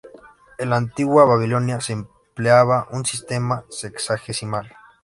En la antigua Babilonia, se empleaba un sistema sexagesimal.